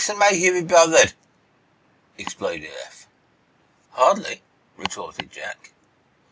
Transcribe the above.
"Oh, Mayhew be bothered!" exploded Eph. "Hardly," retorted Jack.